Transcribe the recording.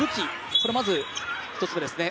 これまず、１つめですね。